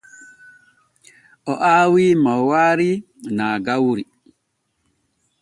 O aawi maywaari naa gawri.